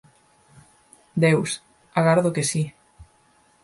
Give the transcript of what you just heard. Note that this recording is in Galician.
Deus. Agardo que si.